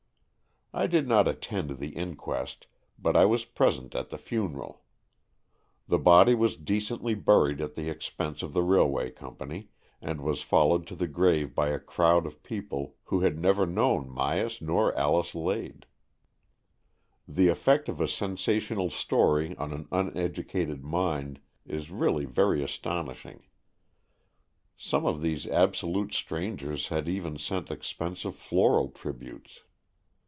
I did not attend the inquest, but I was present at the funeral. The body was decently buried at the expense of the rail way company, and was followed to the grave by a crowd of people who had never known Myas nor Alice Lade. The effect of a sensational story on an uneducated mind is AN EXCHANGE OF SOULS 213 really very astonishing. Some of these abso lute strangers had even sent expensive floral tributes.